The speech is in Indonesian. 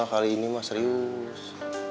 kali ini mah serius